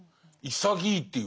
潔いっていうか。